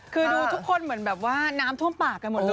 คือดูทุกคนเหมือนแบบว่าน้ำท่วมปากกันหมดเลย